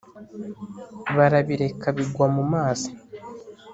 barabireka bigwa mu mazi